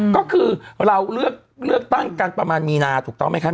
ก็คือเราเลือกตั้งกันประมาณมีนาถูกต้องไหมคะ